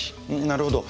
なるほど。